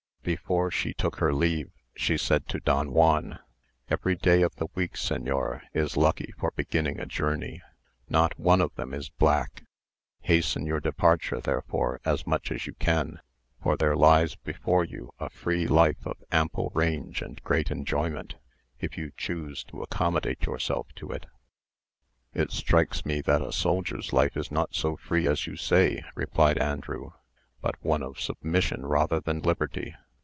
Before she took her leave, she said to Don Juan, "Every day of the week, señor, is lucky for beginning a journey: not one of them is black. Hasten your departure, therefore, as much as you can; for there lies before you a free life of ample range and great enjoyment, if you choose to accommodate yourself to it." "It strikes me that a soldier's life is not so free as you say," replied Andrew, "but one of submission rather than liberty.